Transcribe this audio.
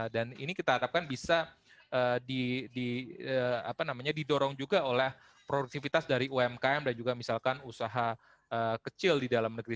dan ini kita harapkan bisa didorong juga oleh produktivitas dari umkm dan juga misalkan usaha kecil di dalam negeri